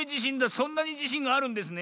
そんなにじしんがあるんですね。